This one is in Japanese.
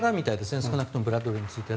少なくともブラッドレーについては。